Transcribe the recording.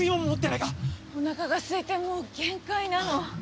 おなかがすいてもう限界なの。